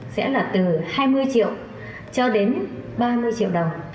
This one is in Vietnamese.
sẽ là từ hai mươi triệu cho đến ba mươi triệu đồng